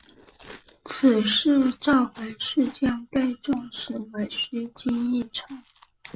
此次召回事件被证实为虚惊一场。